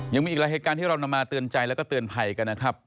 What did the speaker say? ยังมีอีกหลายเหตุการณ์ที่เรานำมาเตือนใจแล้วก็เตือนภัยกันนะครับ